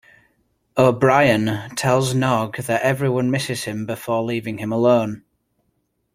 O'Brien tells Nog that everyone misses him before leaving him alone.